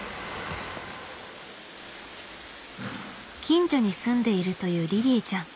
近所に住んでいるというりりぃちゃん。